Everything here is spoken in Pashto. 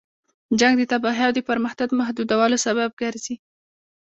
جنګ د تباهۍ او د پرمختګ محدودولو سبب ګرځي.